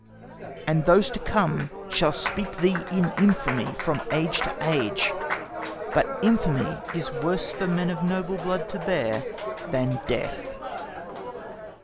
And those to come shall speak thee infamy From age to age. But infamy is worse For men of noble blood to bear than death!